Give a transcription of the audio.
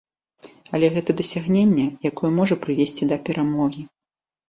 Але гэта дасягненне, якое можа прывесці да перамогі.